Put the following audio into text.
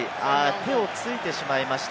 手をついてしまいました。